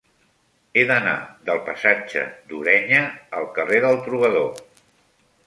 He d'anar del passatge d'Ureña al carrer del Trobador.